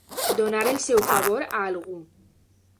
Donar el seu favor a algú.